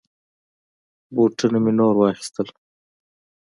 بوټونه می نور واخيست.